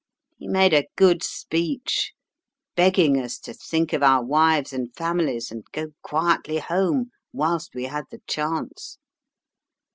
He made a good speech, begging us to think of our wives and families, and go quietly home whilst we had the chance.